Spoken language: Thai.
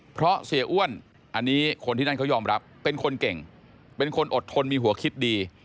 เพราะเสียอ้วนอันนี้คนที่นั่นเขายอมรับเป็นคนเก่งเป็นคนอดทนมีหัวคิดดี